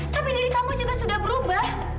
tapi diri kamu juga sudah berubah